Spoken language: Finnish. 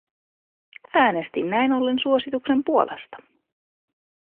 Äänestin näin ollen suosituksen puolesta.